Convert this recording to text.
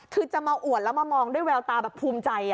คือจะมาอวดแล้วมามองด้วยแววตาแบบภูมิใจ